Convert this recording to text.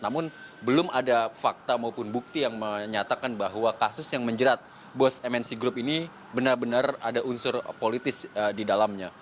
namun belum ada fakta maupun bukti yang menyatakan bahwa kasus yang menjerat bos mnc group ini benar benar ada unsur politis di dalamnya